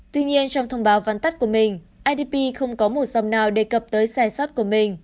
tuy nhiên trong thông báo văn tắt của mình idp không có một dòng nào đề cập tới sai sót của mình